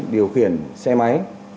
điều khiển xe máy